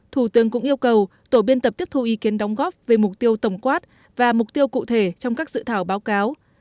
thủ tướng cũng yêu cầu tổ biên tập tiếp thu ý kiến đóng góp về mục tiêu tổng quát và mục tiêu cụ thể trong các dự thảo báo cáo